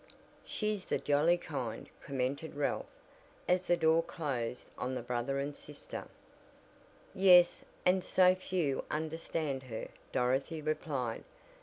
"She's the jolly kind," commented Ralph, as the door closed on the brother and sister. "Yes, and so few understand her," Dorothy replied.